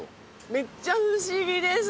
めっちゃ不思議ですこれ。